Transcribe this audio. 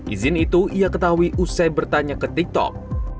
izin itu ia ketahui usai bertanya ke tiktok